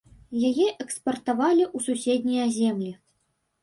Яе экспартавалі ў суседнія землі.